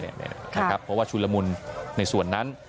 เนี่ยครับเพราะว่าชุนละมุลในส่วนนั้น